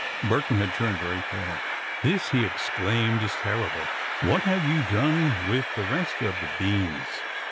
Burton had turned very pale. "This," he exclaimed, "is terrible! What have you done with the rest of the beans?"